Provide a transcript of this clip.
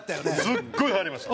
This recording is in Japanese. すごいはやりました。